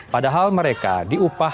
padahal mereka diupas